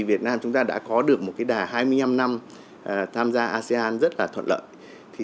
việt nam đã có được một đà hai mươi năm năm tham gia asean rất thuận lợi